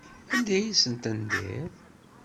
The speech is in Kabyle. Anda ay asen-tendiḍ?